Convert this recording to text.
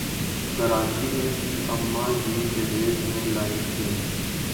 کراچی ان کی اماں جی جہیز میں لائیں تھیں ۔